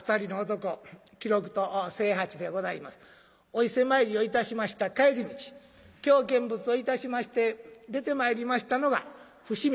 お伊勢参りをいたしました帰り道京見物をいたしまして出てまいりましたのが伏見の浜。